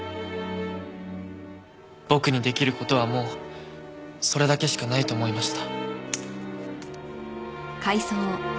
僕に出来る事はもうそれだけしかないと思いました。